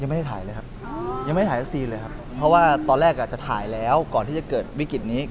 ไม่ได้ถ่ายเลยครับยังไม่ถ่ายวัคซีนเลยครับเพราะว่าตอนแรกจะถ่ายแล้วก่อนที่จะเกิดวิกฤตนี้